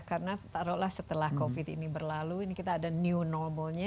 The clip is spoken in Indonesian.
karena setelah covid ini berlalu ini kita ada new normalnya